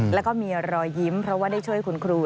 แล้วก็มีรอยยิ้มเพราะว่าได้ช่วยคุณครู